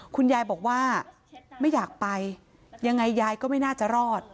คุณยายบอกว่าไม่อยากไปยังไงยายก็ไม่น่าจะรอด